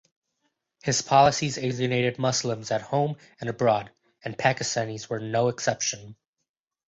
His policies alienated Muslims at home and abroad, and Pakistanis were no exception.